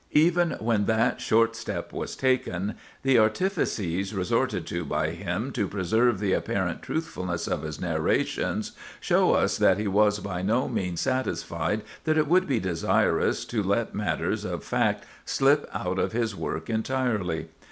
Even when that short step was taken, the artifices resorted to by him to preserve the apparent truthfulness of his narrations show us that he was by no means satisfied that it would be desirable to let matters of fact slip out of his work entirely.